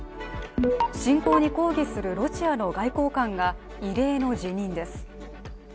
侵攻に抗議するロシアの外交官が異例の辞任です。